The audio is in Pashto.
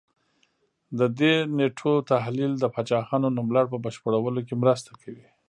د دې نېټو تحلیل د پاچاهانو نوملړ په بشپړولو کې مرسته کوي